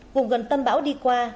vùng gần tâm bão đi qua